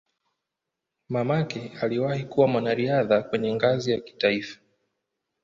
Mamake aliwahi kuwa mwanariadha kwenye ngazi ya kitaifa.